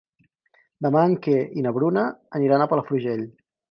Demà en Quer i na Bruna iran a Palafrugell.